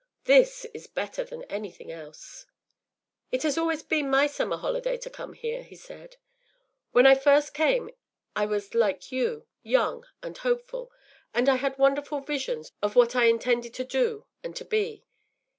This is better than anything else.” “It has always been my summer holiday to come here,” he said. “When I first came I was like you, young and hopeful, and I had wonderful visions of what I intended to do and to be.